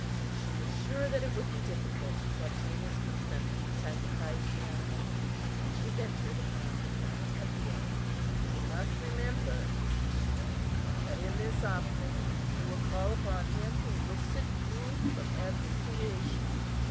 She was sure that it would be difficult to obtain his consent to sacrifice the animal, but she ventured upon a final appeal. "You must remember," she said, "that in this offering you will call upon him who looks at you from every creation.